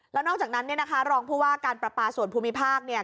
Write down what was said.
แล้วนอกจากนั้นเนี่ยนะคะรองผู้ว่าการประปาส่วนภูมิภาคเนี่ย